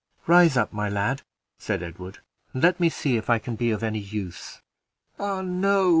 "Rise up, my lad," said Edward, "and let me see if I can be of any use." "Ah, no!"